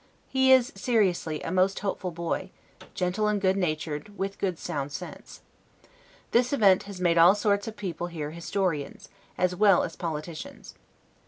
He is, seriously, a most hopeful boy: gentle and good natured, with good sound sense. This event has made all sorts of people here historians, as well as politicians.